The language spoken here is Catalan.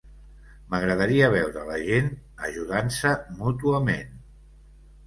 M'agradaria veure la gent ajudant-se mútuament.